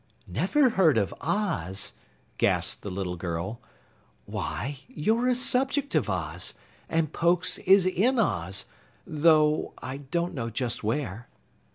"Never heard of Oz?" gasped the little girl. "Why, you're a subject of Oz, and Pokes is in Oz, though I don't know just where."